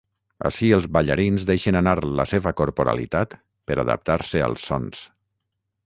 Ací els ballarins deixen anar la seva corporalitat per adaptar-se als sons.